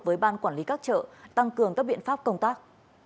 với ban quản lý các chợ tăng cường các biện pháp công tác